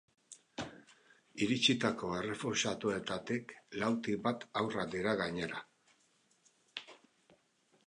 Iritsitako errefuxiatuetatik lautik bat haurrak dira gainera.